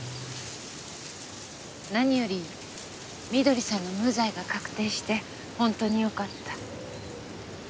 何より美登里さんの無罪が確定して本当によかった。